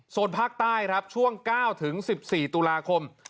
ส่วนภาคใต้ครับช่วง๙๑๔ตุลาคม